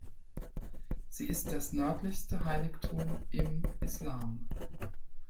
Sie ist das nördlichste Heiligtum im Islam.